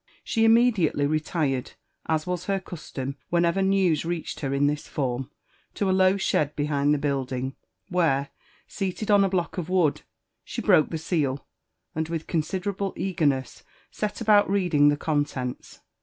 She immediately retired, as was her custom whenever news reached her in this form, to a low shed behind the building, where, seated on a block of wood, she broke the •eal, and with considerable eagerness set about reading the contents.